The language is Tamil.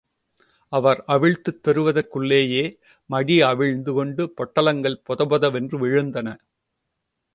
அவர் அவிழ்த்துத் தருவதற்குள்ளேயே மடி அவிழ்ந்து கொண்டு பொட்டலங்கள் பொதபொதவென்று விழுந்தன.